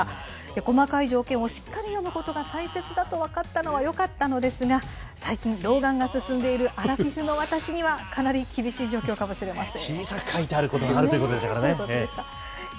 細かい条件をしっかり読むことが大切だと分かったのはよかったのですが、最近、老眼が進んでいるアラフィフの私には、かなり厳しい状況かもしれません。